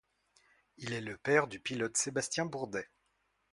Il est le père du pilote Sébastien Bourdais.